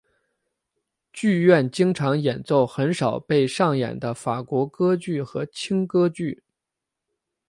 剧院经常演奏很少被上演的法国歌剧和轻歌剧。